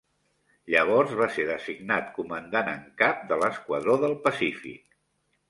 Llavors va ser designat Comandant en Cap de l'Esquadró del Pacífic.